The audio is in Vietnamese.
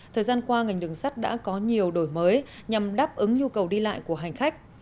thời gian qua ngành đường sắt đã có nhiều đổi mới nhằm đáp ứng nhu cầu đi lại của hành khách